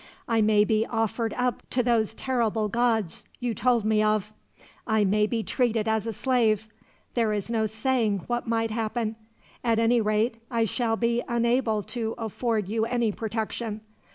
I may be offered up to those terrible gods you told me of. I may be treated as a slave. There is no saying what might happen. At any rate, I shall be unable to afford you any protection.